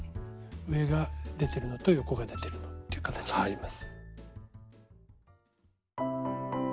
上が出てるのと横が出てるという形になります。